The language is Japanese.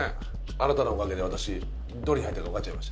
あなたのおかげで私どれに入ってるかわかっちゃいました。